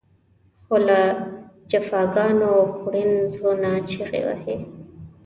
خو له جفاګانو خوړین زړونه چغې وهي.